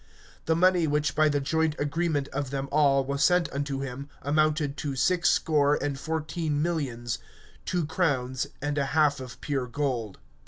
The money which by the joint agreement of them all was sent unto him, amounted to six score and fourteen millions, two crowns and a half of pure gold.